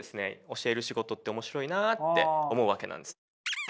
教える仕事って面白いなあって思うわけなんです。